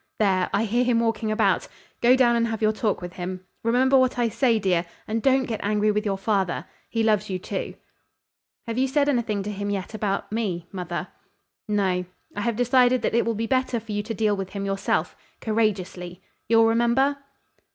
There! I hear him walking about. Go down and have your talk with him. Remember what I say, dear, and don't get angry with your father. He loves you, too." "Have you said anything to him yet about me mother?" "No. I have decided that it will be better for you to deal with him yourself courageously. You'll remember?"